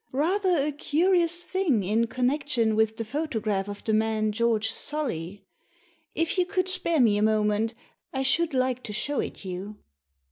"Rather a curious thing in connection with the photograph of the man George Solly. If you could spare me a moment I should like to show it you."